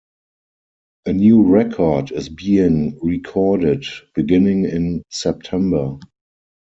A new record is being recorded beginning in September.